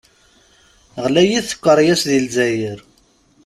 Γlayit tkeryas di Lezzayer.